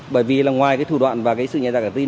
bởi vì là ngoài cái thủ đoạn và cái sự nhẹ dạ cả tin